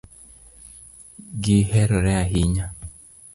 Gi herore ahinya